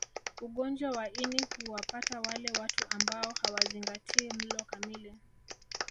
Ugonjwa wa ini huwapata wale watu ambao hawazingatii mlo kamili